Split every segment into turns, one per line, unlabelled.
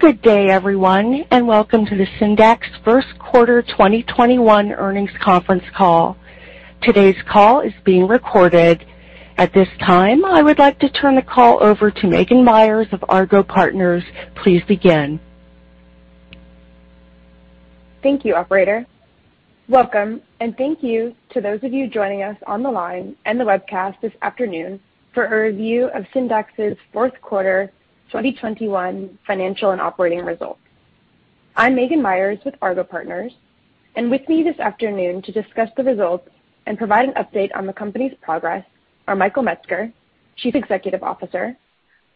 Good day, everyone, and welcome to the Syndax first quarter 2021 earnings conference call. Today's call is being recorded. At this time, I would like to turn the call over to Maghan Meyers of Argot Partners. Please begin.
Thank you, operator. Welcome, and thank you to those of you joining us on the line and the webcast this afternoon for a review of Syndax's fourth quarter 2021 financial and operating results. I'm Maghan Meyers with Argot Partners, and with me this afternoon to discuss the results and provide an update on the company's progress are Michael Metzger, Chief Executive Officer,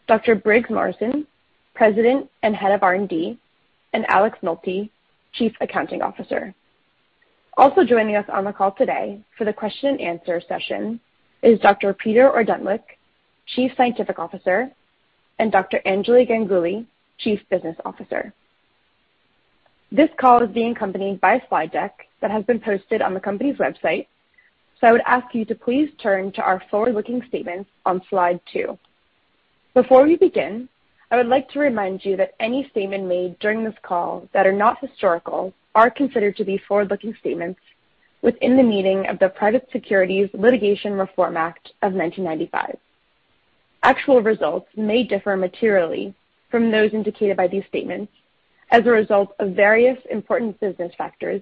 Dr. Briggs Morrison, President and Head of R&D, and Alex Nolte, Chief Accounting Officer. Also joining us on the call today for the question and answer session is Dr. Peter Ordentlich, Chief Scientific Officer, and Dr. Anjali Ganguli, Chief Business Officer. This call is being accompanied by a slide deck that has been posted on the company's website. I would ask you to please turn to our forward-looking statements on slide two. Before we begin, I would like to remind you that any statement made during this call that are not historical are considered to be forward-looking statements within the meaning of the Private Securities Litigation Reform Act of 1995. Actual results may differ materially from those indicated by these statements as a result of various important business factors,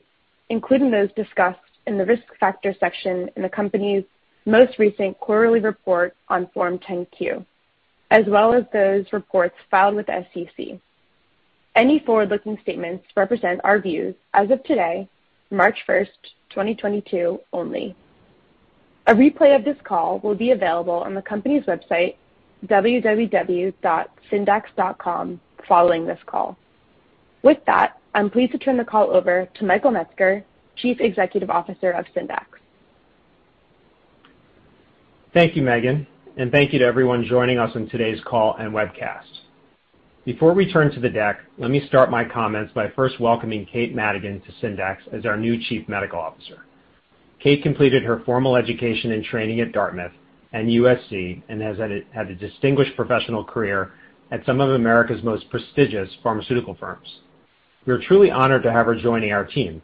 including those discussed in the risk factor section in the company's most recent quarterly report on Form 10-Q, as well as those reports filed with the SEC. Any forward-looking statements represent our views as of today, March 1, 2022 only. A replay of this call will be available on the company's website, www.syndax.com, following this call. With that, I'm pleased to turn the call over to Michael Metzger, Chief Executive Officer of Syndax.
Thank you, Maghan, and thank you to everyone joining us on today's call and webcast. Before we turn to the deck, let me start my comments by first welcoming Kate Madigan to Syndax as our new Chief Medical Officer. Kate completed her formal education and training at Dartmouth and USC and has had a distinguished professional career at some of America's most prestigious pharmaceutical firms. We are truly honored to have her joining our team,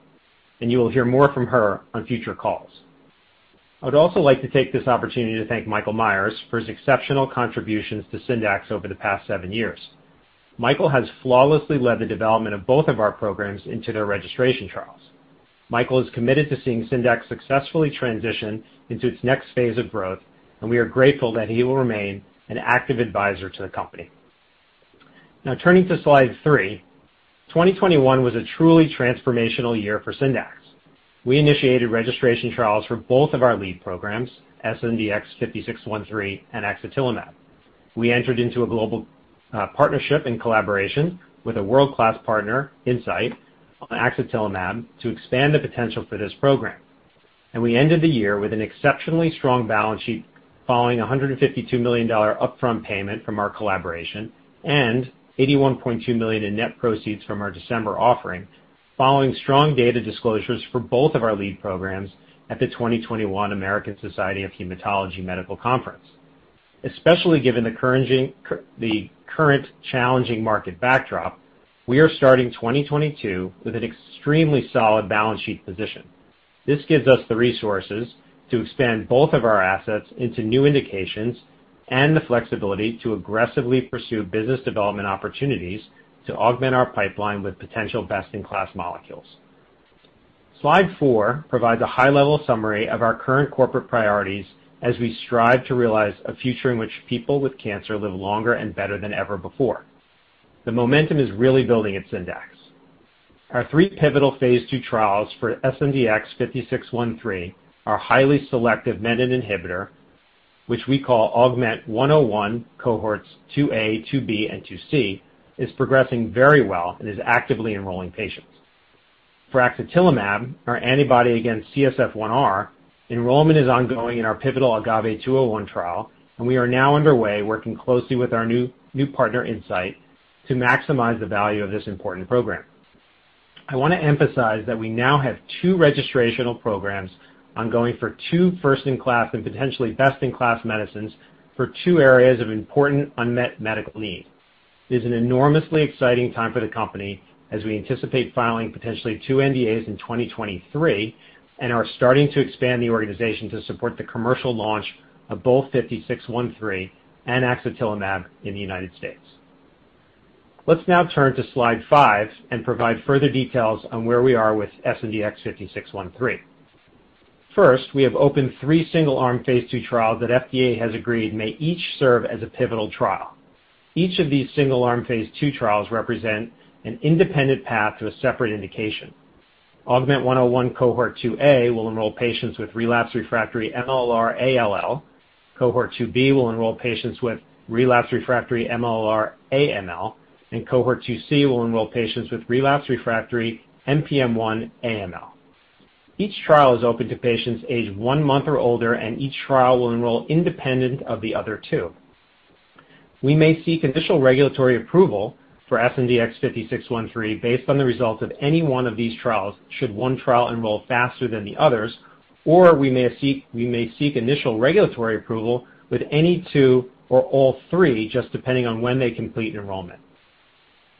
and you will hear more from her on future calls. I would also like to take this opportunity to thank Michael Myers for his exceptional contributions to Syndax over the past seven years. Michael has flawlessly led the development of both of our programs into their registration trials. Michael is committed to seeing Syndax successfully transition into its next phase of growth, and we are grateful that he will remain an active advisor to the company. Now turning to slide 3. 2021 was a truly transformational year for Syndax. We initiated registration trials for both of our lead programs, SNDX-5613 and axatilimab. We entered into a global partnership and collaboration with a world-class partner, Incyte, on axatilimab to expand the potential for this program. We ended the year with an exceptionally strong balance sheet following a $152 million upfront payment from our collaboration and $81.2 million in net proceeds from our December offering, following strong data disclosures for both of our lead programs at the 2021 American Society of Hematology Medical Conference. Especially given the current challenging market backdrop, we are starting 2022 with an extremely solid balance sheet position. This gives us the resources to expand both of our assets into new indications and the flexibility to aggressively pursue business development opportunities to augment our pipeline with potential best-in-class molecules. Slide four provides a high-level summary of our current corporate priorities as we strive to realize a future in which people with cancer live longer and better than ever before. The momentum is really building at Syndax. Our three pivotal phase II trials for SNDX-5613, our highly selective menin inhibitor, which we call AUGMENT-101 cohorts 2A, 2B, and 2C, is progressing very well and is actively enrolling patients. For axatilimab, our antibody against CSF1R, enrollment is ongoing in our pivotal AGAVE-201 trial, and we are now underway working closely with our new partner, Incyte, to maximize the value of this important program. I wanna emphasize that we now have two registrational programs ongoing for two first-in-class and potentially best-in-class medicines for two areas of important unmet medical need. It is an enormously exciting time for the company as we anticipate filing potentially two NDAs in 2023 and are starting to expand the organization to support the commercial launch of both SNDX-5613 and axatilimab in the United States. Let's now turn to slide 5 and provide further details on where we are with SNDX-5613. First, we have opened three single-arm phase II trials that FDA has agreed may each serve as a pivotal trial. Each of these single-arm phase II trials represent an independent path to a separate indication. AUGMENT-101 Cohort 2A will enroll patients with relapse refractory KMT2A-r ALL. Cohort 2B will enroll patients with relapse refractory KMT2A-r AML, and Cohort 2C will enroll patients with relapse refractory NPM1-AML. Each trial is open to patients aged 1 month or older, and each trial will enroll independent of the other two. We may seek initial regulatory approval for SNDX-5613 based on the results of any one of these trials should one trial enroll faster than the others. Or we may seek initial regulatory approval with any two or all three, just depending on when they complete enrollment.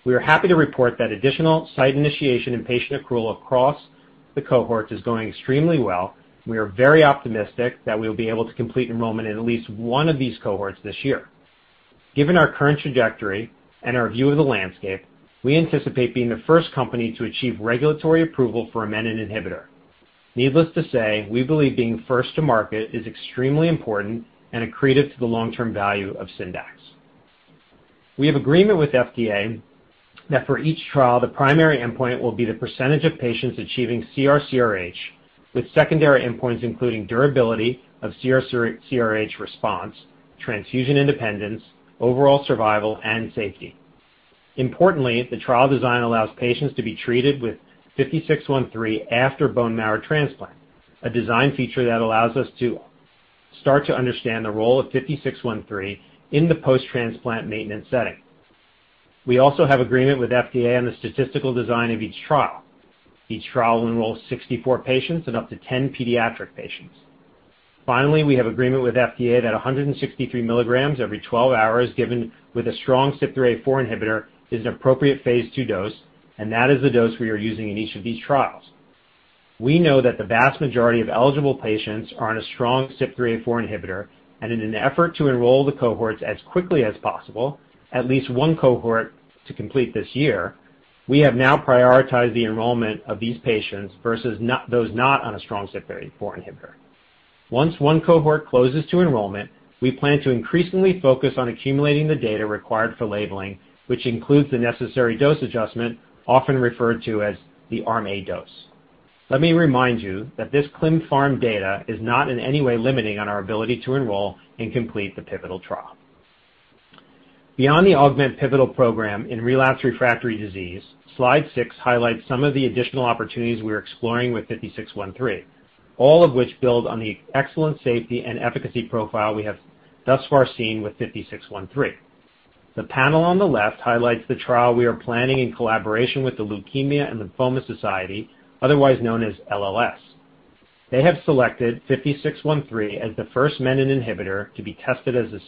We are happy to report that additional site initiation and patient accrual across the cohorts is going extremely well. We are very optimistic that we'll be able to complete enrollment in at least one of these cohorts this year. Given our current trajectory and our view of the landscape, we anticipate being the first company to achieve regulatory approval for a menin inhibitor. Needless to say, we believe being first to market is extremely important and accretive to the long-term value of Syndax. We have agreement with FDA that for each trial, the primary endpoint will be the percentage of patients achieving CR/CRh, with secondary endpoints including durability of CR/CRh response, transfusion independence, overall survival, and safety. Importantly, the trial design allows patients to be treated with SNDX-5613 after bone marrow transplant, a design feature that allows us to start to understand the role of SNDX-5613 in the post-transplant maintenance setting. We also have agreement with FDA on the statistical design of each trial. Each trial will enroll 64 patients and up to 10 pediatric patients. Finally, we have agreement with FDA that 163 milligrams every 12 hours given with a strong CYP3A4 inhibitor is an appropriate phase II dose, and that is the dose we are using in each of these trials. We know that the vast majority of eligible patients are on a strong CYP3A4 inhibitor, and in an effort to enroll the cohorts as quickly as possible, at least one cohort to complete this year, we have now prioritized the enrollment of these patients versus not, those not on a strong CYP3A4 inhibitor. Once one cohort closes to enrollment, we plan to increasingly focus on accumulating the data required for labeling, which includes the necessary dose adjustment, often referred to as the Arm A dose. Let me remind you that this clinical pharmacology data is not in any way limiting on our ability to enroll and complete the pivotal trial. Beyond the AUGMENT pivotal program in relapsed refractory disease, slide 6 highlights some of the additional opportunities we're exploring with SNDX-5613, all of which build on the excellent safety and efficacy profile we have thus far seen with SNDX-5613. The panel on the left highlights the trial we are planning in collaboration with The Leukemia & Lymphoma Society, otherwise known as LLS. They have selected SNDX-5613 as the first menin inhibitor to be tested as a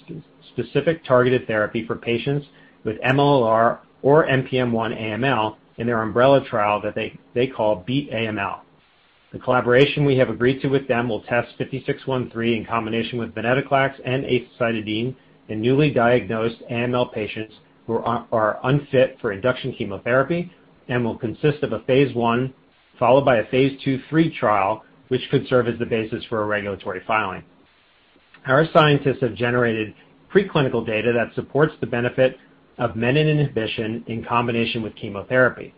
specific targeted therapy for patients with MLL-r or NPM1 AML in their umbrella trial that they call Beat AML. The collaboration we have agreed to with them will test 5613 in combination with venetoclax and azacitidine in newly diagnosed AML patients who are unfit for induction chemotherapy and will consist of a phase I followed by a phase II/III trial, which could serve as the basis for a regulatory filing. Our scientists have generated preclinical data that supports the benefit of menin inhibition in combination with chemotherapy.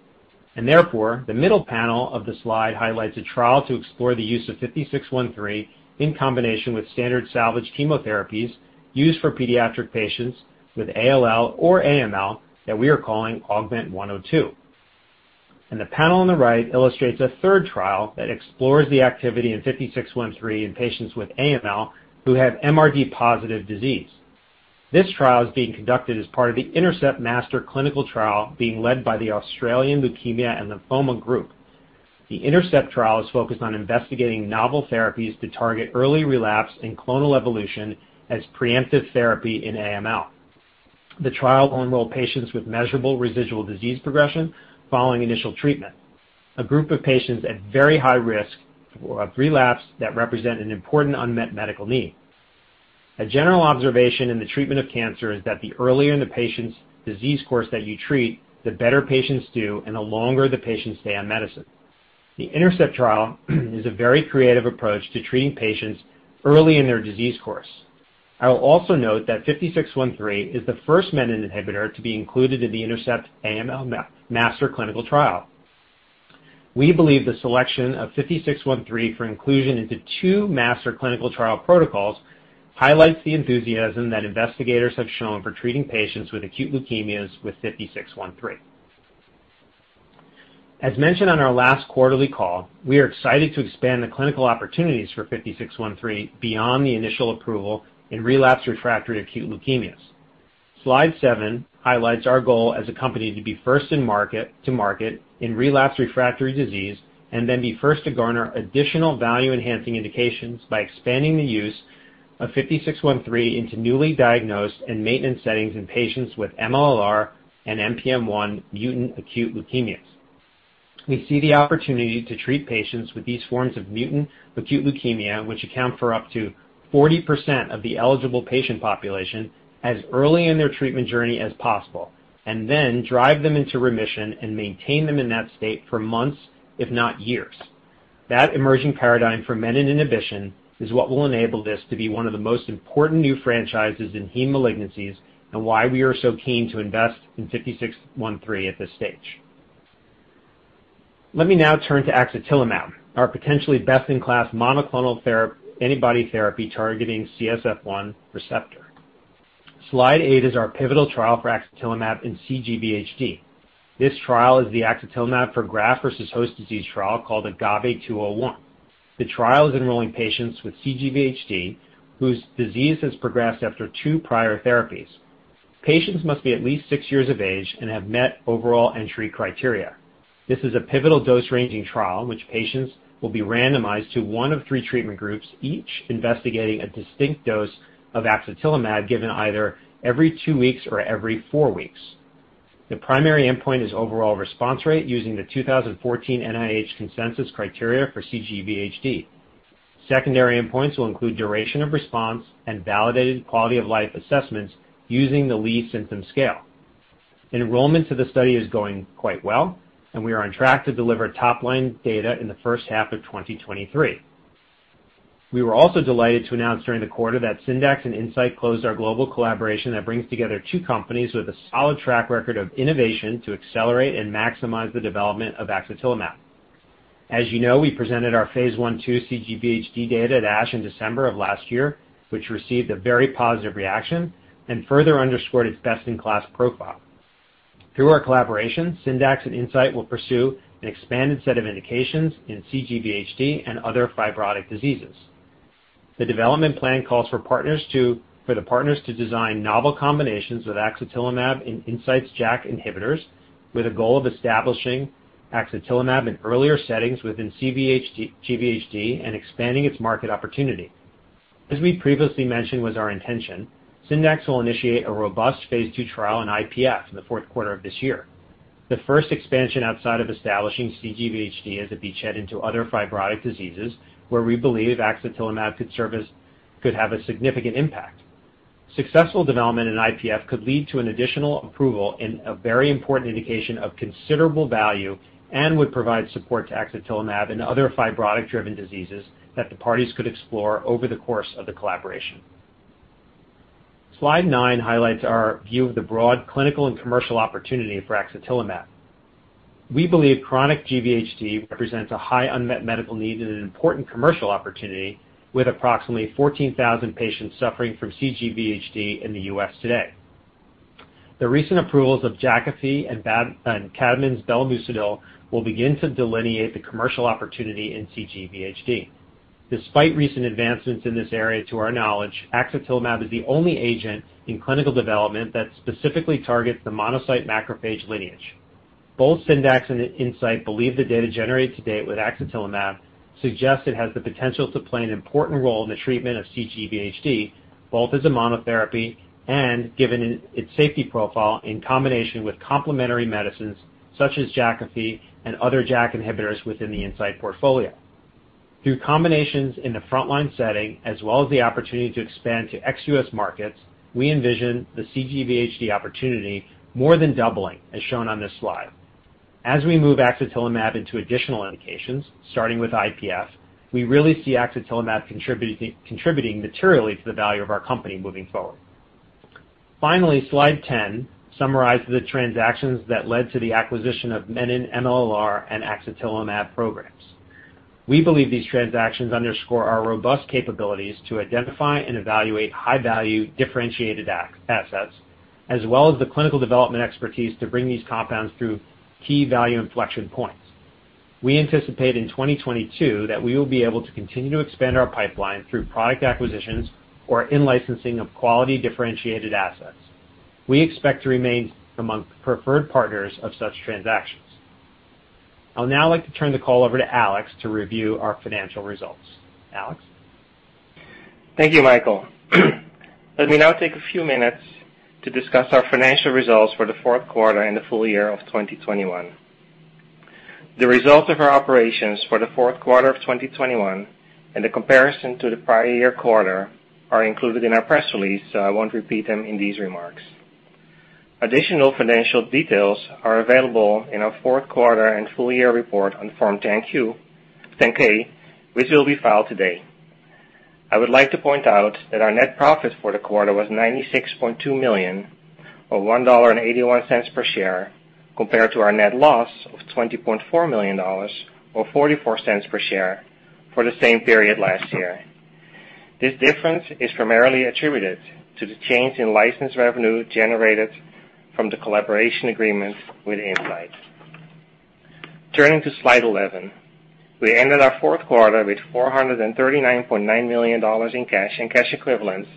Therefore, the middle panel of the slide highlights a trial to explore the use of 5613 in combination with standard salvage chemotherapies used for pediatric patients with ALL or AML that we are calling AUGMENT-102. The panel on the right illustrates a third trial that explores the activity in 5613 in patients with AML who have MRD-positive disease. This trial is being conducted as part of the INTERCEPT master clinical trial being led by the Australasian Leukemia & Lymphoma Group. The INTERCEPT trial is focused on investigating novel therapies to target early relapse and clonal evolution as preemptive therapy in AML. The trial will enroll patients with measurable residual disease progression following initial treatment, a group of patients at very high risk of relapse that represent an important unmet medical need. A general observation in the treatment of cancer is that the earlier in the patient's disease course that you treat, the better patients do and the longer the patients stay on medicine. The INTERCEPT trial is a very creative approach to treating patients early in their disease course. I will also note that 5613 is the first menin inhibitor to be included in the INTERCEPT AML master clinical trial. We believe the selection of SNDX-5613 for inclusion into two master clinical trial protocols highlights the enthusiasm that investigators have shown for treating patients with acute leukemias with SNDX-5613. As mentioned on our last quarterly call, we are excited to expand the clinical opportunities for SNDX-5613 beyond the initial approval in relapsed refractory acute leukemias. Slide seven highlights our goal as a company to be first in market, to market in relapsed refractory disease and then be first to garner additional value-enhancing indications by expanding the use of SNDX-5613 into newly diagnosed and maintenance settings in patients with MLL-r and NPM1 mutant acute leukemias. We see the opportunity to treat patients with these forms of mutant acute leukemia, which account for up to 40% of the eligible patient population, as early in their treatment journey as possible, and then drive them into remission and maintain them in that state for months, if not years. That emerging paradigm for menin inhibition is what will enable this to be one of the most important new franchises in heme malignancies and why we are so keen to invest in SNDX-5613 at this stage. Let me now turn to axatilimab, our potentially best-in-class monoclonal antibody therapy targeting CSF1R. Slide eight is our pivotal trial for axatilimab in cGVHD. This trial is the axatilimab for graft versus host disease trial called AGAVE-201. The trial is enrolling patients with cGVHD whose disease has progressed after two prior therapies. Patients must be at least six years of age and have met overall entry criteria. This is a pivotal dose-ranging trial in which patients will be randomized to one of three treatment groups, each investigating a distinct dose of axatilimab given either every two weeks or every four weeks. The primary endpoint is overall response rate using the 2014 NIH consensus criteria for cGVHD. Secondary endpoints will include duration of response and validated quality of life assessments using the Lee Symptom Scale. Enrollment to the study is going quite well, and we are on track to deliver top-line data in the first half of 2023. We were also delighted to announce during the quarter that Syndax and Incyte closed our global collaboration that brings together two companies with a solid track record of innovation to accelerate and maximize the development of axatilimab. As you know, we presented our phase I/II cGVHD data at ASH in December of last year, which received a very positive reaction and further underscored its best-in-class profile. Through our collaboration, Syndax and Incyte will pursue an expanded set of indications in cGVHD and other fibrotic diseases. The development plan calls for the partners to design novel combinations of axatilimab in Incyte's JAK inhibitors, with a goal of establishing axatilimab in earlier settings within cGVHD and expanding its market opportunity. As we previously mentioned was our intention, Syndax will initiate a robust phase II trial in IPF in the fourth quarter of this year. The first expansion outside of establishing cGVHD into other fibrotic diseases where we believe axatilimab could have a significant impact. Successful development in IPF could lead to an additional approval in a very important indication of considerable value and would provide support to axatilimab in other fibrotic-driven diseases that the parties could explore over the course of the collaboration. Slide nine highlights our view of the broad clinical and commercial opportunity for axatilimab. We believe chronic GVHD represents a high unmet medical need and an important commercial opportunity, with approximately 14,000 patients suffering from cGVHD in the U.S. today. The recent approvals of Jakafi and Kadmon's belumosudil will begin to delineate the commercial opportunity in cGVHD. Despite recent advancements in this area, to our knowledge, axatilimab is the only agent in clinical development that specifically targets the monocyte macrophage lineage. Both Syndax and Incyte believe the data generated to date with axatilimab suggests it has the potential to play an important role in the treatment of cGVHD, both as a monotherapy and, given its safety profile, in combination with complementary medicines such as Jakafi and other JAK inhibitors within the Incyte portfolio. Through combinations in the frontline setting as well as the opportunity to expand to ex-U.S. markets, we envision the cGVHD opportunity more than doubling, as shown on this slide. As we move axatilimab into additional indications, starting with IPF, we really see axatilimab contributing materially to the value of our company moving forward. Finally, slide 10 summarizes the transactions that led to the acquisition of menin, MLL-r, and axatilimab programs. We believe these transactions underscore our robust capabilities to identify and evaluate high-value differentiated ax-assets, as well as the clinical development expertise to bring these compounds through key value inflection points. We anticipate in 2022 that we will be able to continue to expand our pipeline through product acquisitions or in-licensing of quality differentiated assets. We expect to remain among the preferred partners of such transactions. I'll now like to turn the call over to Alex to review our financial results. Alex?
Thank you, Michael. Let me now take a few minutes to discuss our financial results for the fourth quarter and the full year of 2021. The results of our operations for the fourth quarter of 2021 and the comparison to the prior year quarter are included in our press release, so I won't repeat them in these remarks. Additional financial details are available in our fourth quarter and full year report on Form 10-K, which will be filed today. I would like to point out that our net profit for the quarter was $96.2 million, or $1.81 per share, compared to our net loss of $20.4 million or $0.44 per share for the same period last year. This difference is primarily attributed to the change in license revenue generated from the collaboration agreement with Incyte. Turning to slide 11. We ended our fourth quarter with $439.9 million in cash and cash equivalents,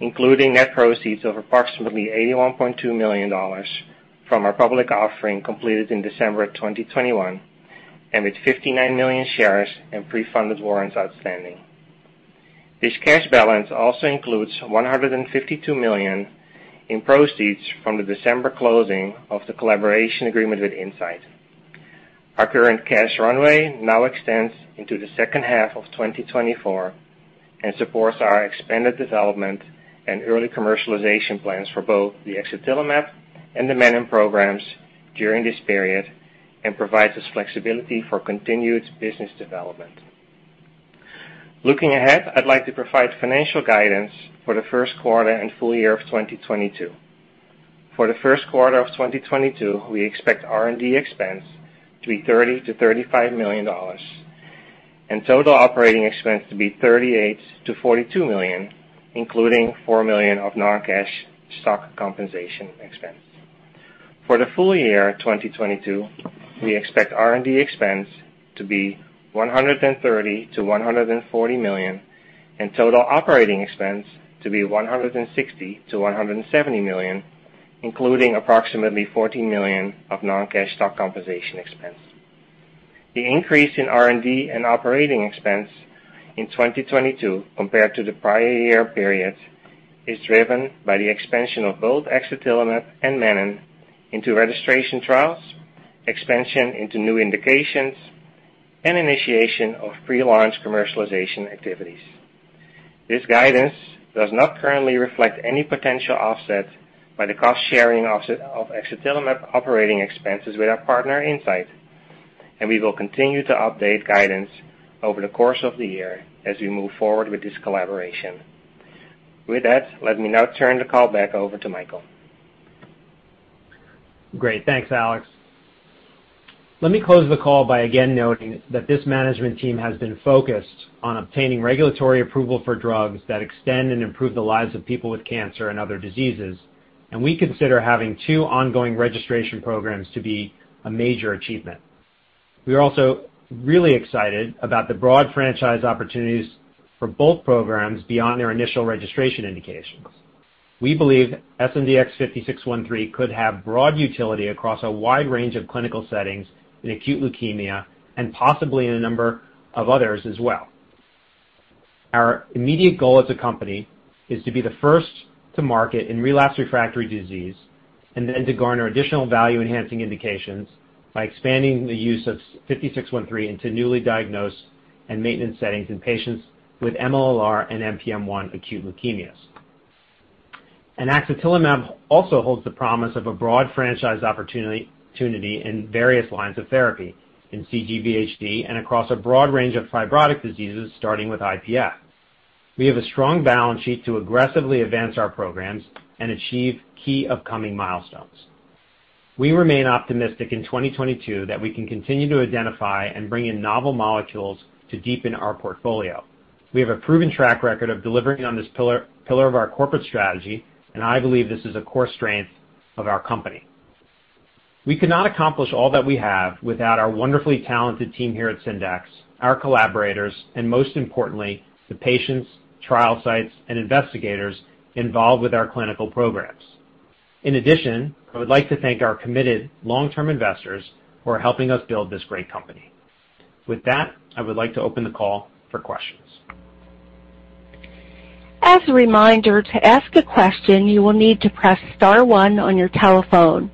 including net proceeds of approximately $81.2 million from our public offering completed in December 2021, and with 59 million shares and pre-funded warrants outstanding. This cash balance also includes $152 million in proceeds from the December closing of the collaboration agreement with Incyte. Our current cash runway now extends into the second half of 2024 and supports our expanded development and early commercialization plans for both the axatilimab and the menin programs during this period and provides us flexibility for continued business development. Looking ahead, I'd like to provide financial guidance for the first quarter and full year of 2022. For the first quarter of 2022, we expect R&D expense to be $30 million-$35 million and total operating expense to be $38 million-$42 million, including $4 million of non-cash stock compensation expense. For the full year 2022, we expect R&D expense to be $130 million-$140 million, and total operating expense to be $160 million-$170 million, including approximately $14 million of non-cash stock compensation expense. The increase in R&D and operating expense in 2022 compared to the prior year period is driven by the expansion of both axatilimab and menin into registration trials, expansion into new indications, and initiation of pre-launch commercialization activities. This guidance does not currently reflect any potential offset by the cost sharing of axatilimab operating expenses with our partner Incyte, and we will continue to update guidance over the course of the year as we move forward with this collaboration. With that, let me now turn the call back over to Michael.
Great. Thanks, Alex. Let me close the call by again noting that this management team has been focused on obtaining regulatory approval for drugs that extend and improve the lives of people with cancer and other diseases, and we consider having two ongoing registration programs to be a major achievement. We are also really excited about the broad franchise opportunities for both programs beyond their initial registration indications. We believe SNDX-5613 could have broad utility across a wide range of clinical settings in acute leukemia and possibly in a number of others as well. Our immediate goal as a company is to be the first to market in relapsed refractory disease and then to garner additional value-enhancing indications by expanding the use of SNDX-5613 into newly diagnosed and maintenance settings in patients with KMT2A-r and NPM1 acute leukemias. Axatilimab also holds the promise of a broad franchise opportunity in various lines of therapy in cGVHD and across a broad range of fibrotic diseases, starting with IPF. We have a strong balance sheet to aggressively advance our programs and achieve key upcoming milestones. We remain optimistic in 2022 that we can continue to identify and bring in novel molecules to deepen our portfolio. We have a proven track record of delivering on this pillar of our corporate strategy, and I believe this is a core strength of our company. We could not accomplish all that we have without our wonderfully talented team here at Syndax, our collaborators, and most importantly, the patients, trial sites, and investigators involved with our clinical programs. In addition, I would like to thank our committed long-term investors who are helping us build this great company. With that, I would like to open the call for questions.
As a reminder, to ask a question, you will need to press star one on your telephone.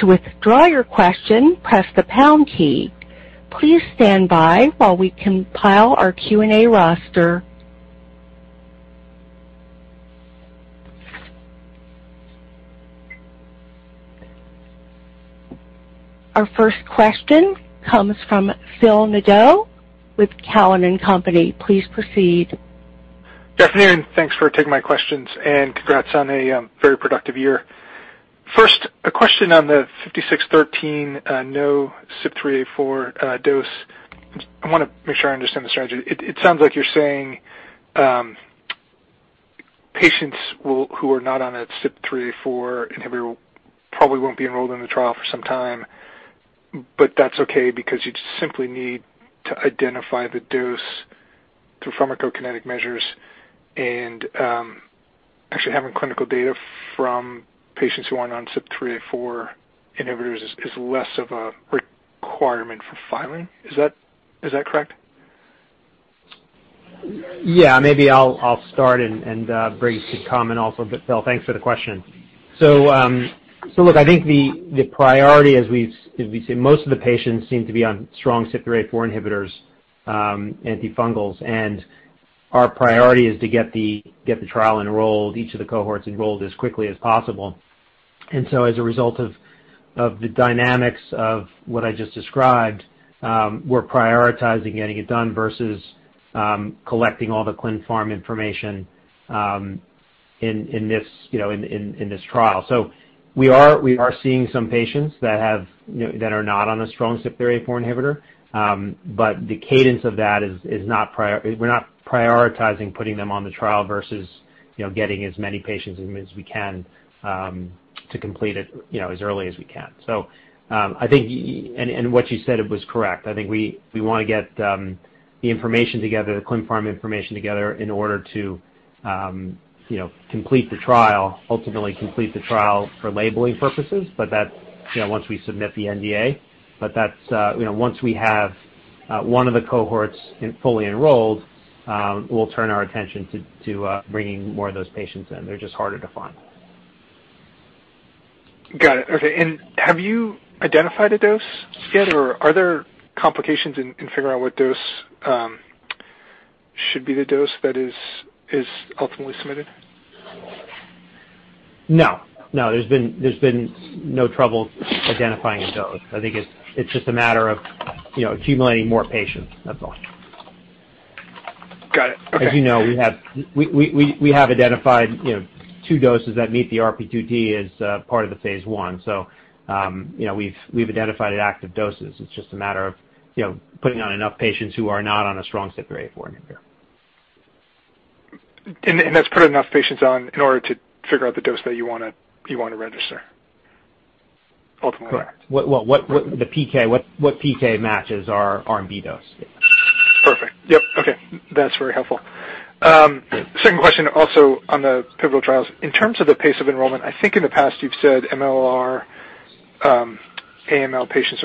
To withdraw your question, press the pound key. Please stand by while we compile our Q&A roster. Our first question comes from Phil Nadeau with Cowen and Company. Please proceed.
Good afternoon. Thanks for taking my questions, and congrats on a very productive year. First, a question on the SNDX-5613 non-CYP3A4 dose. I wanna make sure I understand the strategy. It sounds like you're saying patients who are not on a CYP3A4 inhibitor probably won't be enrolled in the trial for some time, but that's okay because you just simply need to identify the dose through pharmacokinetic measures and actually having clinical data from patients who aren't on CYP3A4 inhibitors is less of a requirement for filing. Is that correct?
Yeah, maybe I'll start and Briggs can comment also. Phil, thanks for the question. Look, I think the priority, as we've seen, most of the patients seem to be on strong CYP3A4 inhibitors, antifungals, and our priority is to get the trial enrolled, each of the cohorts enrolled as quickly as possible. As a result of the dynamics of what I just described, we're prioritizing getting it done versus collecting all the clin pharm information in this, you know, in this trial. We are seeing some patients that have, you know, that are not on a strong CYP3A4 inhibitor, but the cadence of that is not. We're not prioritizing putting them on the trial versus, you know, getting as many patients in as we can, to complete it, you know, as early as we can. I think what you said was correct. I think we wanna get the information together, the clin pharm information together in order to, you know, complete the trial, ultimately complete the trial for labeling purposes. That's, you know, once we submit the NDA. That's, you know, once we have one of the cohorts fully enrolled, we'll turn our attention to bringing more of those patients in. They're just harder to find.
Got it. Okay. Have you identified a dose yet, or are there complications in figuring out what dose should be the dose that is ultimately submitted?
No, there's been no trouble identifying a dose. I think it's just a matter of, you know, accumulating more patients, that's all.
Got it. Okay.
As you know, we have identified, you know, two doses that meet the RP2D as part of the phase I. You know, we've identified active doses. It's just a matter of, you know, putting on enough patients who are not on a strong CYP3A4 inhibitor.
that's put enough patients on in order to figure out the dose that you wanna register ultimately?
Correct. Well, what PK matches our RNB dose?
Perfect. Yep. Okay, that's very helpful. Second question also on the pivotal trials. In terms of the pace of enrollment, I think in the past you've said KMT2A-r AML patients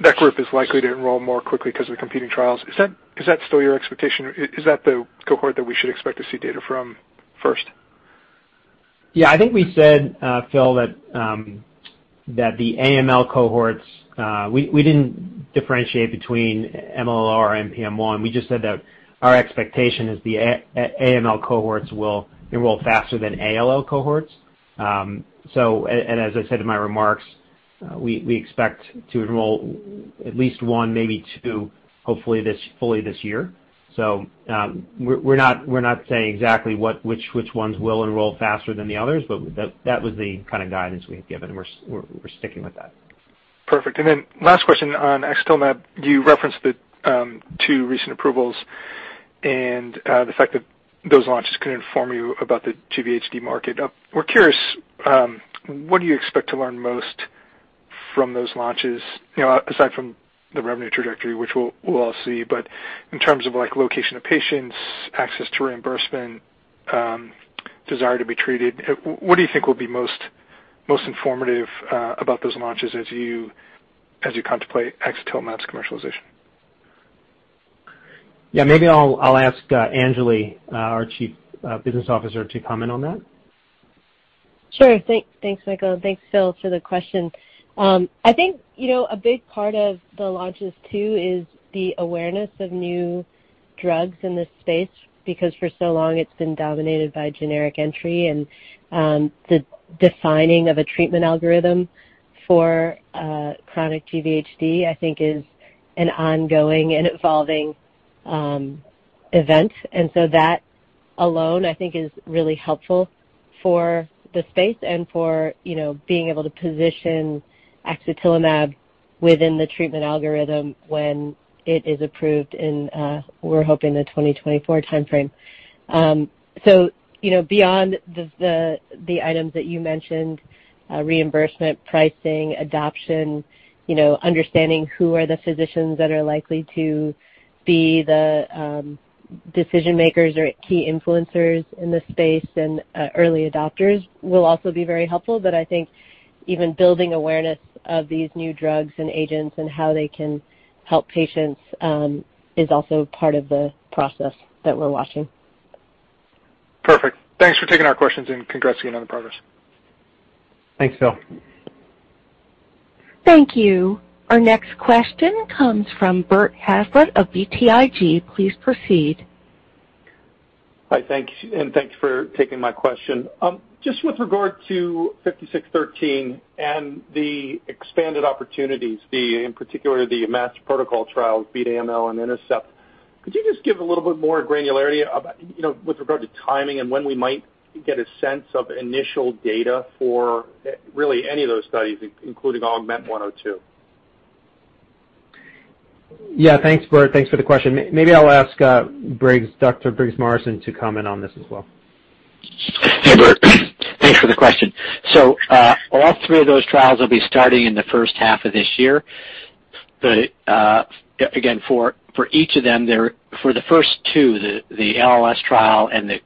that group is likely to enroll more quickly 'cause of the competing trials. Is that still your expectation? Is that the cohort that we should expect to see data from first?
Yeah, I think we said, Phil, that the AML cohorts, we didn't differentiate between KMT2A-r and NPM1. We just said that our expectation is the NPM1 AML cohorts will enroll faster than ALL cohorts. As I said in my remarks, we expect to enroll at least one, maybe two, hopefully this year fully. We're not saying exactly which ones will enroll faster than the others, but that was the kind of guidance we had given, and we're sticking with that.
Perfect. Last question on axatilimab. You referenced the two recent approvals and the fact that those launches could inform you about the GVHD market. We're curious what you expect to learn most from those launches. You know, aside from the revenue trajectory, which we'll all see, but in terms of like location of patients, access to reimbursement, desire to be treated, what do you think will be most informative about those launches as you contemplate axatilimab's commercialization?
Yeah, maybe I'll ask Anjali, our Chief Business Officer, to comment on that.
Sure. Thanks, Michael, and thanks, Phil, for the question. I think, you know, a big part of the launches too is the awareness of new drugs in this space because for so long it's been dominated by generic entry and, the defining of a treatment algorithm for, chronic GVHD, I think is an ongoing and evolving, event. That alone I think is really helpful for the space and for, you know, being able to position axatilimab within the treatment algorithm when it is approved in, we're hoping the 2024 timeframe. You know, beyond the items that you mentioned, reimbursement, pricing, adoption, you know, understanding who are the physicians that are likely to be the, decision makers or key influencers in this space and, early adopters will also be very helpful. I think even building awareness of these new drugs and agents and how they can help patients is also part of the process that we're watching.
Perfect. Thanks for taking our questions and congrats again on the progress.
Thanks, Phil.
Thank you. Our next question comes from Bert Hazlett of BTIG. Please proceed.
Hi. Thank you, and thanks for taking my question. Just with regard to SNDX-5613 and the expanded opportunities, in particular the matched protocol trials, Beat AML and INTERCEPT, could you just give a little bit more granularity about, you know, with regard to timing and when we might get a sense of initial data for really any of those studies including AUGMENT-102?
Yeah. Thanks, Bert. Thanks for the question. Maybe I'll ask Briggs, Dr. Briggs Morrison to comment on this as well.
Hey, Bert. Thanks for the question. All three of those trials will be starting in the first half of this year. Again, for each of them, for the first two, the LLS trial and the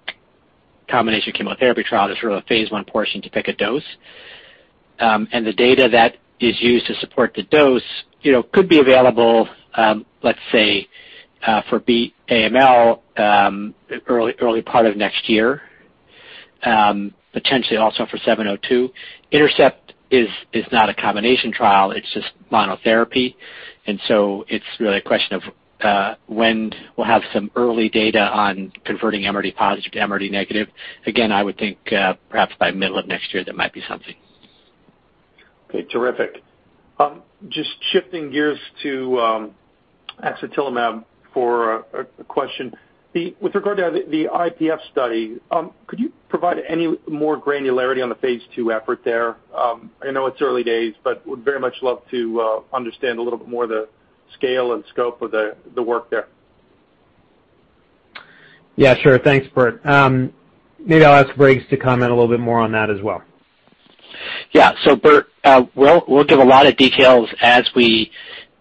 combination chemotherapy trial, there's really a phase I portion to pick a dose. And the data that is used to support the dose, you know, could be available, let's say, for Beat AML, early part of next year, potentially also for 702. INTERCEPT is not a combination trial. It's just monotherapy. It's really a question of when we'll have some early data on converting MRD positive to MRD negative. Again, I would think, perhaps by middle of next year there might be something.
Okay. Terrific. Just shifting gears to axatilimab for a question. With regard to the IPF study, could you provide any more granularity on the phase II effort there? I know it's early days, but would very much love to understand a little bit more of the scale and scope of the work there.
Yeah, sure. Thanks, Bert. Maybe I'll ask Briggs to comment a little bit more on that as well.
Yeah. Bert, we'll give a lot of details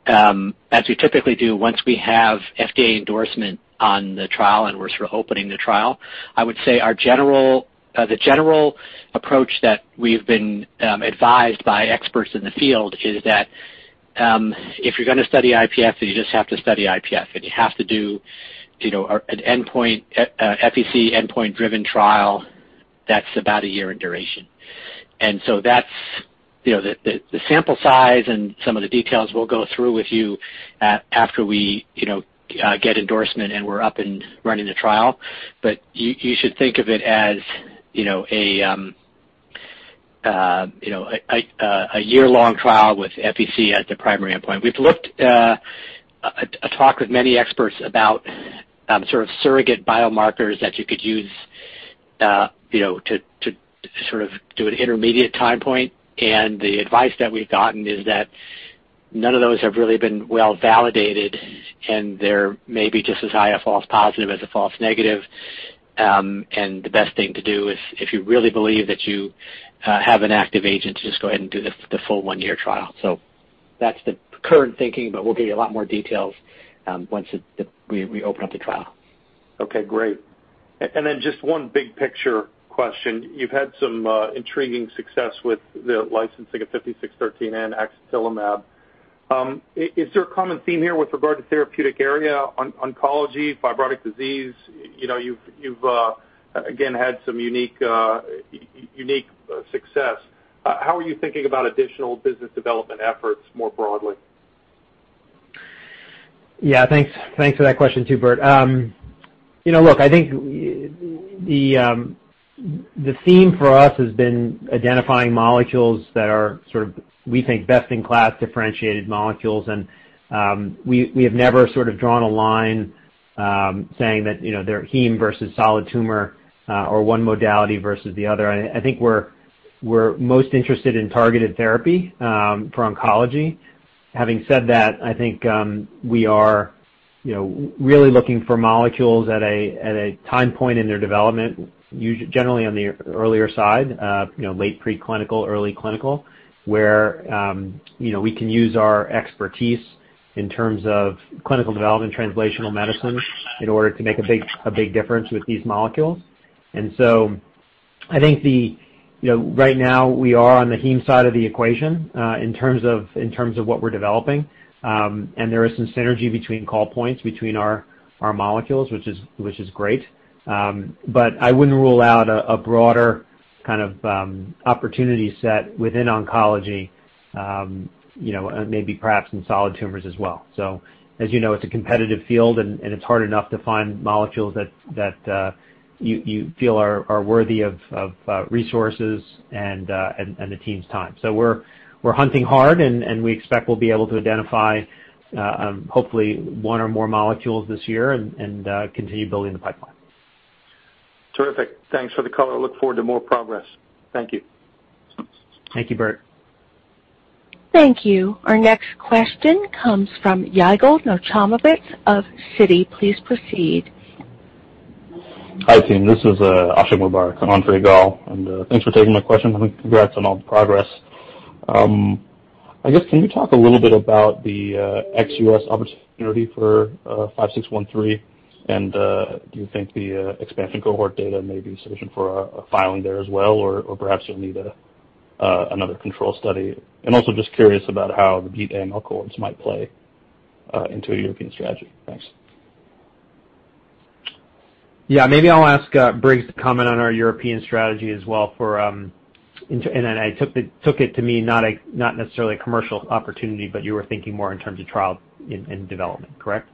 as we typically do once we have FDA endorsement on the trial and we're sort of opening the trial. I would say our general approach that we've been advised by experts in the field is that if you're gonna study IPF, then you just have to study IPF and you have to do you know an endpoint FVC endpoint-driven trial that's about a year in duration. That's you know the sample size and some of the details we'll go through with you after we get endorsement and we're up and running the trial. You should think of it as you know a year-long trial with FVC as the primary endpoint. We've looked at a talk with many experts about sort of surrogate biomarkers that you could use. You know, to sort of do an intermediate time point, and the advice that we've gotten is that none of those have really been well-validated, and they're maybe just as high a false positive as a false negative. The best thing to do is if you really believe that you have an active agent, just go ahead and do the full one-year trial. That's the current thinking, but we'll give you a lot more details once we open up the trial.
Okay, great. Just one big picture question. You've had some intriguing success with the licensing of 5613 and axatilimab. Is there a common theme here with regard to therapeutic area, oncology, fibrotic disease? You know, you've again had some unique success. How are you thinking about additional business development efforts more broadly?
Yeah, thanks. Thanks for that question too, Bert. You know, look, I think the theme for us has been identifying molecules that are sort of, we think, best-in-class differentiated molecules. We have never sort of drawn a line, saying that, you know, they're heme versus solid tumor, or one modality versus the other. I think we're most interested in targeted therapy for oncology. Having said that, I think we are, you know, really looking for molecules at a time point in their development, usually generally on the earlier side, you know, late preclinical, early clinical, where, you know, we can use our expertise in terms of clinical development, translational medicine in order to make a big difference with these molecules. I think the, you know, right now we are on the heme side of the equation, in terms of what we're developing. There is some synergy between call points between our molecules, which is great. I wouldn't rule out a broader kind of opportunity set within oncology, you know, maybe perhaps in solid tumors as well. As you know, it's a competitive field and it's hard enough to find molecules that you feel are worthy of resources and the team's time. We're hunting hard, and we expect we'll be able to identify hopefully one or more molecules this year and continue building the pipeline.
Terrific. Thanks for the call. I look forward to more progress. Thank you.
Thank you, Bert.
Thank you. Our next question comes from Yigal Nochomovitz of Citi. Please proceed.
Hi, team. This is Asher Mubarak on for Yigal. Thanks for taking my question. Congrats on all the progress. I guess, can you talk a little bit about the ex-U.S. opportunity for SNDX-5613? Do you think the expansion cohort data may be sufficient for a filing there as well, or perhaps you'll need another control study? Also just curious about how the Beat AML cohorts might play into a European strategy. Thanks.
Yeah. Maybe I'll ask Briggs to comment on our European strategy as well for... Then I took it to mean not a, not necessarily a commercial opportunity, but you were thinking more in terms of trial in development, correct?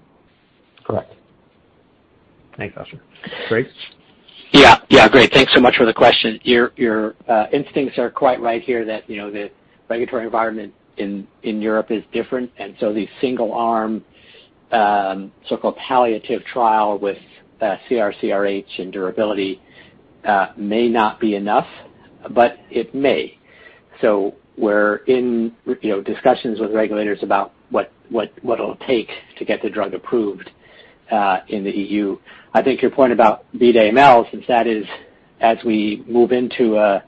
Correct.
Thanks, Asher. Briggs?
Yeah. Yeah. Great. Thanks so much for the question. Your instincts are quite right here that, you know, the regulatory environment in Europe is different, and so the single arm, so-called palliative trial with CR/CRh and durability may not be enough, but it may. We're in, you know, discussions with regulators about what it'll take to get the drug approved in the EU. I think your point about Beat AML, since that is as we move into the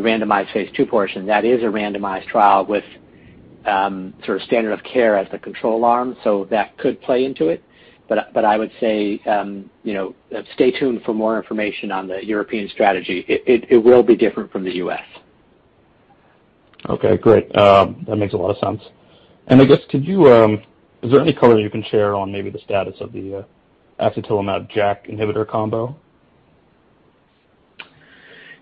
randomized phase II portion, that is a randomized trial with sort of standard of care as the control arm, so that could play into it. But I would say, you know, stay tuned for more information on the European strategy. It will be different from the U.S.
Okay, great. That makes a lot of sense. I guess, is there any color you can share on maybe the status of the axatilimab JAK inhibitor combo?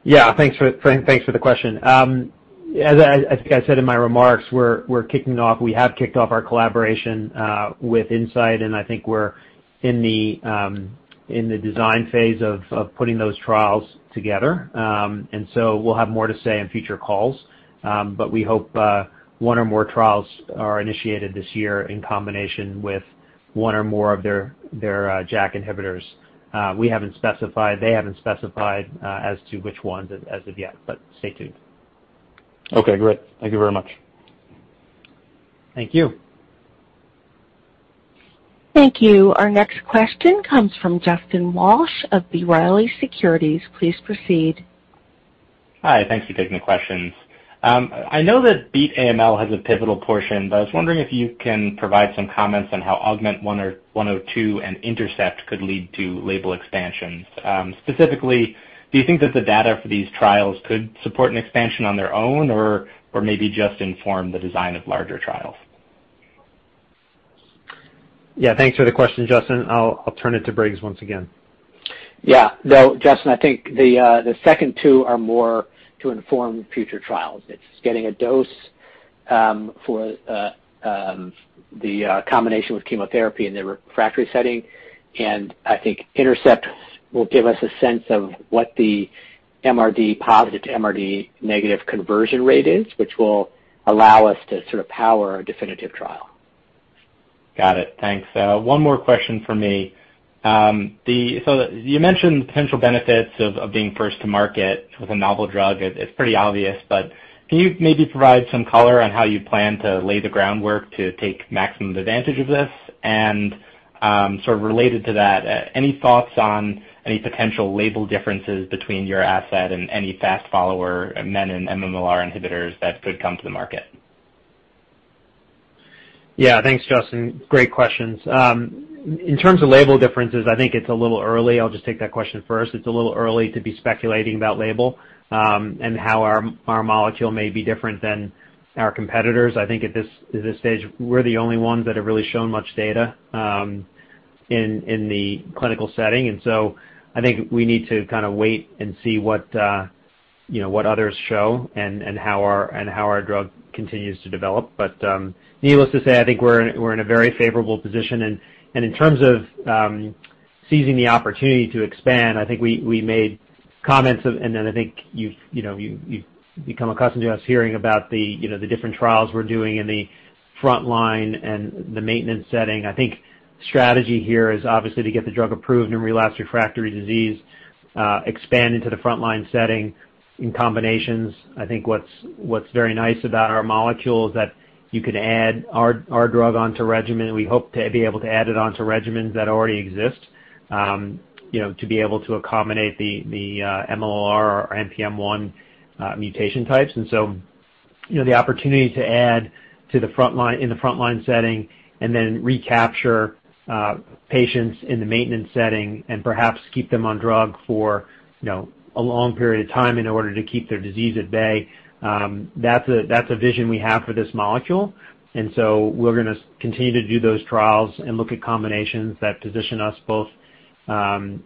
Yeah. Thanks for the question. As I said in my remarks, we have kicked off our collaboration with Incyte, and I think we're in the design phase of putting those trials together. We'll have more to say on future calls. We hope one or more trials are initiated this year in combination with one or more of their JAK inhibitors. We haven't specified, they haven't specified as to which ones as of yet, but stay tuned.
Okay, great. Thank you very much.
Thank you.
Thank you. Our next question comes from Justin Walsh of B. Riley Securities. Please proceed.
Hi. Thank you for taking the questions. I know that Beat AML has a pivotal portion, but I was wondering if you can provide some comments on how AUGMENT-101 or AUGMENT-102 and INTERCEPT could lead to label expansions. Specifically, do you think that the data for these trials could support an expansion on their own or maybe just inform the design of larger trials?
Yeah. Thanks for the question, Justin. I'll turn it to Briggs once again.
No, Justin, I think the second two are more to inform future trials. It's getting a dose for the combination with chemotherapy in the refractory setting. I think INTERCEPT will give us a sense of what the MRD positive to MRD negative conversion rate is, which will allow us to power our definitive trial.
Got it. Thanks. One more question for me. You mentioned potential benefits of being first to market with a novel drug. It's pretty obvious, but can you maybe provide some color on how you plan to lay the groundwork to take maximum advantage of this? And, sort of related to that, any thoughts on any potential label differences between your asset and any fast follower menin and MLL-r inhibitors that could come to the market?
Yeah. Thanks, Justin. Great questions. In terms of label differences, I think it's a little early. I'll just take that question first. It's a little early to be speculating about label and how our molecule may be different than our competitors. I think at this stage, we're the only ones that have really shown much data in the clinical setting. I think we need to kinda wait and see what others show and how our drug continues to develop. Needless to say, I think we're in a very favorable position. In terms of seizing the opportunity to expand, I think we made comments, and then I think you've become accustomed to hearing about the different trials we're doing in the frontline and the maintenance setting. I think strategy here is obviously to get the drug approved in relapsed refractory disease, expand into the frontline setting in combinations. I think what's very nice about our molecule is that you could add our drug onto regimen. We hope to be able to add it onto regimens that already exist, you know, to be able to accommodate the KMT2A-r or NPM1 mutation types. You know, the opportunity to add to the frontline in the frontline setting and then recapture patients in the maintenance setting and perhaps keep them on drug for, you know, a long period of time in order to keep their disease at bay. That's a vision we have for this molecule. We're gonna continue to do those trials and look at combinations that position us both in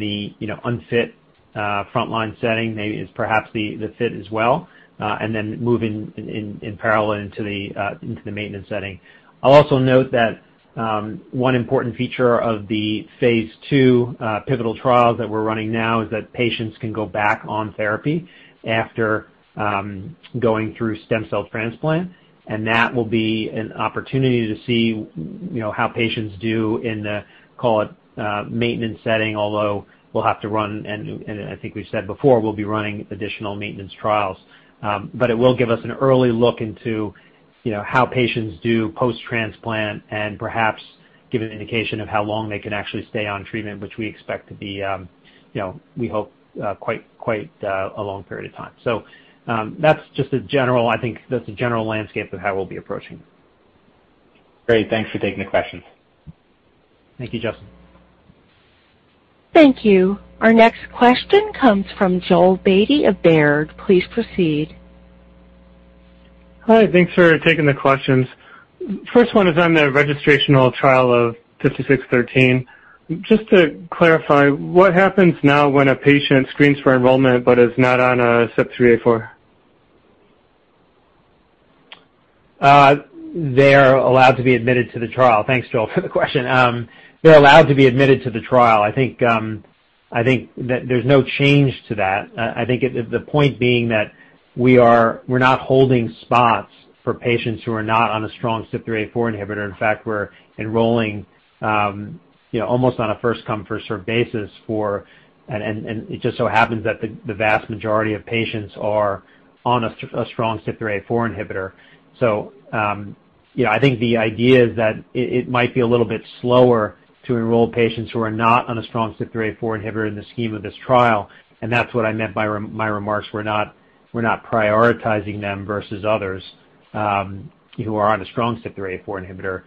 the, you know, unfit frontline setting, maybe the fit as well, and then move in parallel into the maintenance setting. I'll also note that one important feature of the phase II pivotal trials that we're running now is that patients can go back on therapy after going through stem cell transplant, and that will be an opportunity to see, you know, how patients do in the, call it, maintenance setting. Although we'll have to run, and I think we said before, we'll be running additional maintenance trials. It will give us an early look into, you know, how patients do post-transplant and perhaps give an indication of how long they can actually stay on treatment, which we expect to be, you know, we hope quite a long period of time. I think that's a general landscape of how we'll be approaching.
Great. Thanks for taking the questions.
Thank you, Justin.
Thank you. Our next question comes from Joel Beatty of Baird. Please proceed.
Hi. Thanks for taking the questions. First one is on the registrational trial of SNDX-5613. Just to clarify, what happens now when a patient screens for enrollment but is not on a CYP3A4?
They're allowed to be admitted to the trial. Thanks, Joel, for the question. They're allowed to be admitted to the trial. I think that there's no change to that. I think the point being that we're not holding spots for patients who are not on a strong CYP3A4 inhibitor. In fact, we're enrolling, you know, almost on a first come, first serve basis. It just so happens that the vast majority of patients are on a strong CYP3A4 inhibitor. You know, I think the idea is that it might be a little bit slower to enroll patients who are not on a strong CYP3A4 inhibitor in the scheme of this trial, and that's what I meant by my remarks. We're not prioritizing them versus others who are on a strong CYP3A4 inhibitor.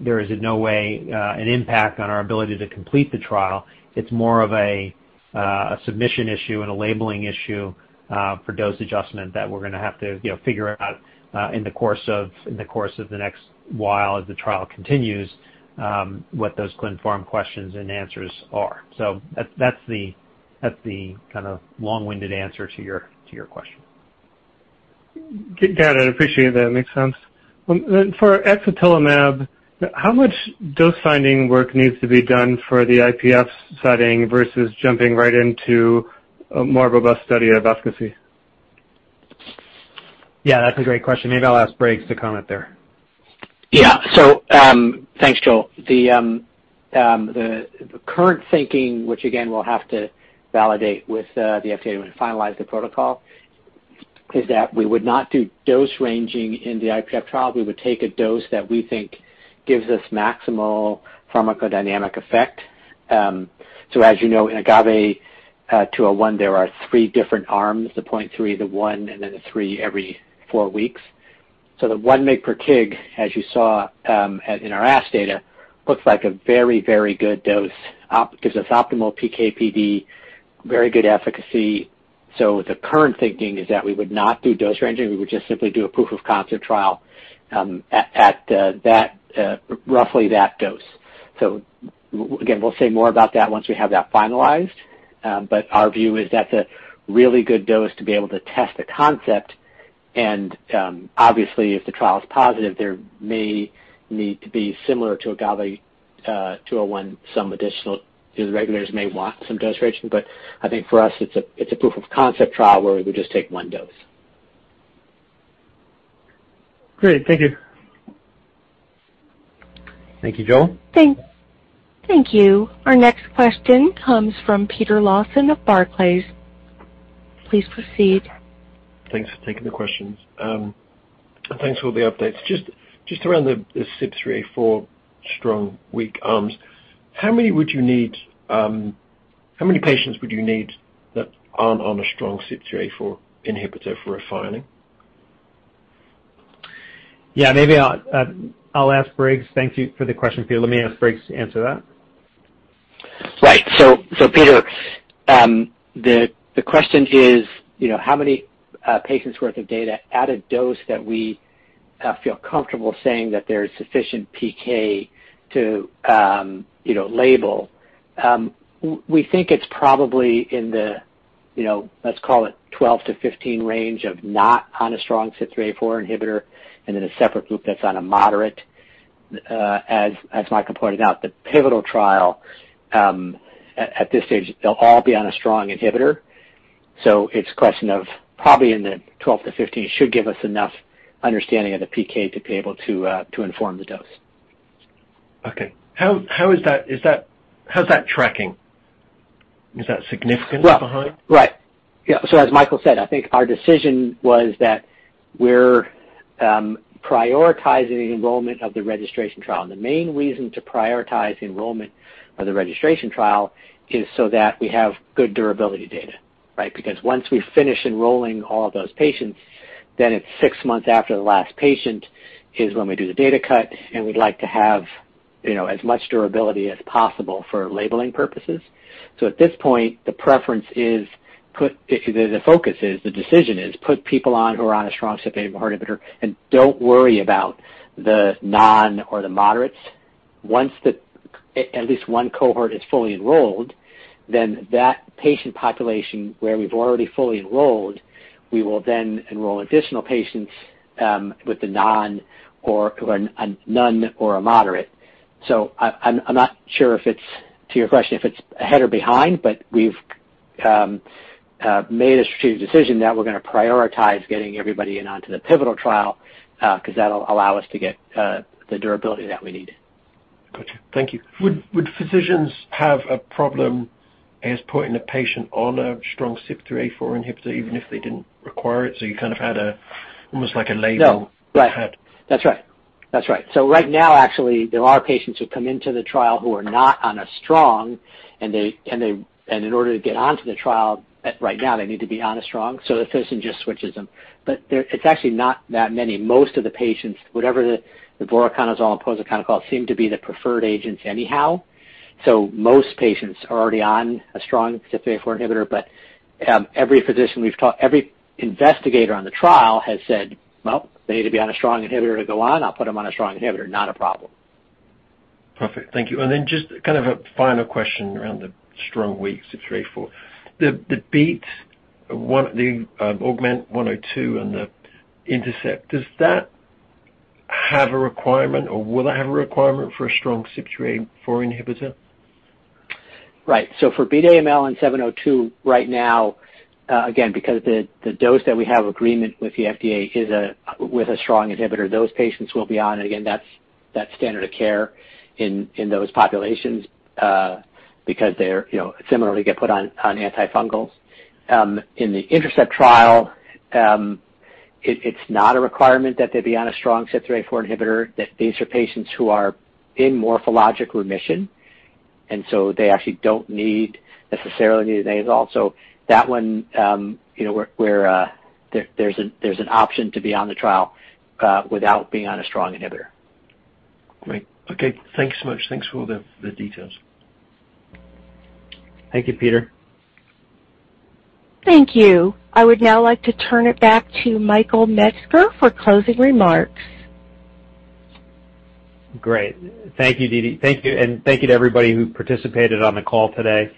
There is in no way an impact on our ability to complete the trial. It's more of a submission issue and a labeling issue for dose adjustment that we're gonna have to, you know, figure out in the course of the next while as the trial continues what those clin pharm questions and answers are. That's the kinda long-winded answer to your question.
Got it. Appreciate that. Makes sense. For axatilimab, how much dose finding work needs to be done for the IPF setting versus jumping right into a more robust study of efficacy?
Yeah, that's a great question. Maybe I'll ask Briggs to comment there.
Yeah. Thanks, Joel. The current thinking, which again we'll have to validate with the FDA when we finalize the protocol, is that we would not do dose ranging in the IPF trial. We would take a dose that we think gives us maximal pharmacodynamic effect. As you know, in AGAVE-201, there are three different arms, the 0.3, the one, and then the three every four weeks. The one mg per kg, as you saw, in our ASH data, looks like a very, very good dose. It gives us optimal PK/PD, very good efficacy. The current thinking is that we would not do dose ranging, we would just simply do a proof of concept trial at roughly that dose. Again, we'll say more about that once we have that finalized. Our view is that's a really good dose to be able to test the concept. Obviously, if the trial is positive, there may need to be similar to AGAVE-201, some additional, the regulators may want some dose ranging, but I think for us it's a proof of concept trial where we just take one dose.
Great. Thank you.
Thank you, Joel.
Thank you. Our next question comes from Peter Lawson of Barclays. Please proceed.
Thanks for taking the questions. Thanks for all the updates. Just around the CYP3A4 strong, weak arms, how many would you need? How many patients would you need that aren't on a strong CYP3A4 inhibitor for a filing?
Yeah, maybe I'll ask Briggs. Thank you for the question, Peter. Let me ask Briggs to answer that.
Right. Peter, the question is, you know, how many patients worth of data at a dose that we feel comfortable saying that there is sufficient PK to, you know, label. We think it's probably in the, you know, let's call it 12-15 range of not on a strong CYP3A4 inhibitor and then a separate group that's on a moderate, as Michael pointed out. The pivotal trial, at this stage, they'll all be on a strong inhibitor, so it's a question of probably in the 12-15 should give us enough understanding of the PK to be able to inform the dose.
Okay. How's that tracking? Is that significantly behind?
Well, right. Yeah. As Michael said, I think our decision was that we're prioritizing the enrollment of the registration trial. The main reason to prioritize enrollment of the registration trial is so that we have good durability data, right? Because once we finish enrolling all of those patients, then it's six months after the last patient is when we do the data cut, and we'd like to have, you know, as much durability as possible for labeling purposes. At this point, the decision is put people on who are on a strong CYP3A4 inhibitor, and don't worry about the non or the moderates. Once at least one cohort is fully enrolled, then that patient population where we've already fully enrolled, we will then enroll additional patients with the non or moderate. I'm not sure if it's to your question, if it's ahead or behind, but we've made a strategic decision that we're gonna prioritize getting everybody in onto the pivotal trial, 'cause that'll allow us to get the durability that we need.
Gotcha. Thank you. Would physicians have a problem, I guess, putting a patient on a strong CYP3A4 inhibitor even if they didn't require it, so you kind of had a, almost like a label-
No. Right.
you had.
That's right. Right now, actually, there are patients who come into the trial who are not on a strong in order to get onto the trial right now, they need to be on a strong, so the physician just switches them. There, it's actually not that many. Most of the patients, whatever the voriconazole, posaconazole seem to be the preferred agents anyhow. Most patients are already on a strong CYP3A4 inhibitor. Every physician we've talked to, every investigator on the trial has said, "Well, they need to be on a strong inhibitor to go on. I'll put them on a strong inhibitor. Not a problem.
Perfect. Thank you. Just kind of a final question around the strong, weak CYP3A4. The Beat AML, the AUGMENT-101, the AUGMENT-102 and the INTERCEPT, does that have a requirement or will it have a requirement for a strong CYP3A4 inhibitor?
Right. For Beat AML and 702 right now, again, because the dose that we have agreement with the FDA is with a strong inhibitor, those patients will be on. Again, that's standard of care in those populations, because they're, you know, similarly get put on antifungals. In the INTERCEPT trial, it's not a requirement that they be on a strong CYP3A4 inhibitor, that these are patients who are in morphologic remission, and so they actually don't necessarily need an azole. That one, you know, where there's an option to be on the trial without being on a strong inhibitor.
Great. Okay. Thanks so much. Thanks for all the details.
Thank you, Peter.
Thank you. I would now like to turn it back to Michael Metzger for closing remarks.
Great. Thank you, Didi. Thank you, and thank you to everybody who participated on the call today.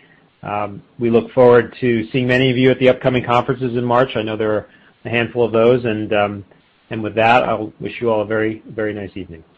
We look forward to seeing many of you at the upcoming conferences in March. I know there are a handful of those and with that, I wish you all a very, very nice evening.